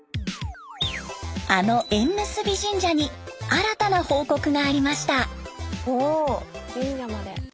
あの縁結び神社に新たな報告がありました。